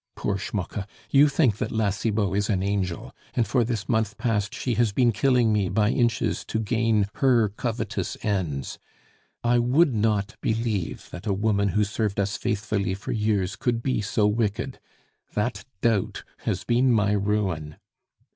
Poor Schmucke, you think that La Cibot is an angel; and for this month past she has been killing me by inches to gain her covetous ends. I would not believe that a woman who served us faithfully for years could be so wicked. That doubt has been my ruin....